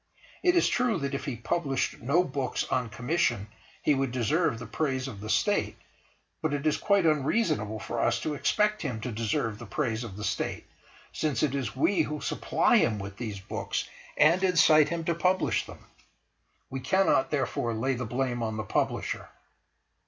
It is true that if he published no books on commission he would deserve the praise of the State, but it is quite unreasonable for us to expect him to deserve the praise of the State, since it is we who supply him with these books and incite him to publish them. We cannot, therefore, lay the blame on the Publisher.